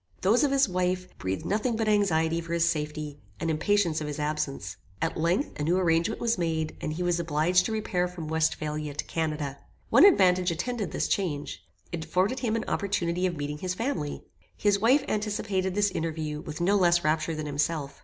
Those of his wife, breathed nothing but anxiety for his safety, and impatience of his absence. At length, a new arrangement was made, and he was obliged to repair from Westphalia to Canada. One advantage attended this change. It afforded him an opportunity of meeting his family. His wife anticipated this interview, with no less rapture than himself.